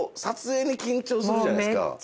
撮影に緊張するじゃないですか？